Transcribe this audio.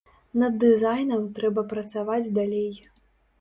Над дызайнам трэба працаваць далей.